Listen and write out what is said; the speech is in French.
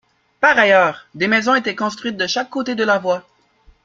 Par ailleurs, des maisons étaient construites de chaque côté de la voie.